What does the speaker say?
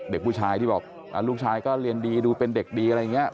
เด็กผู้ชายที่บอกลูกชายก็เรียนดีดูเป็นเด็กดีอะไรอย่างนี้